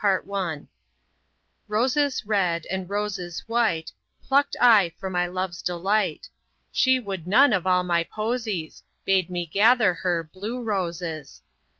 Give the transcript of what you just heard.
CHAPTER VII Roses red and roses white Plucked I for my love's delight. She would none of all my posies,— Bade me gather her blue roses.